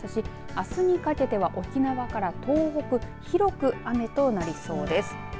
あすにかけては沖縄から東北広く雨となりそうです。